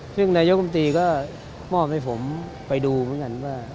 ซึ่งนายกรรมตรีก็มอบให้ผมไปดูเหมือนกันว่า